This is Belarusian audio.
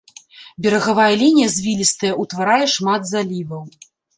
Берагавая лінія звілістая, утварае шмат заліваў.